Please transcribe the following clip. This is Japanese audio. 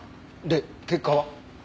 で結果は？